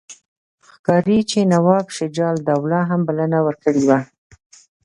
ښکاري چې نواب شجاع الدوله هم بلنه ورکړې وه.